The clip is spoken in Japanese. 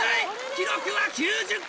記録は９０個！